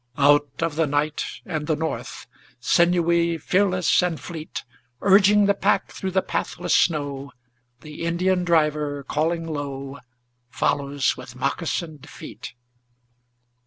Out of the night and the north, Sinewy, fearless and fleet, Urging the pack through the pathless snow, The Indian driver, calling low, Follows with moccasined feet.